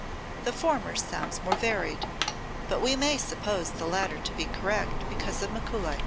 The former sounds more varied, but we may suppose the latter to be correct because of Mikuli.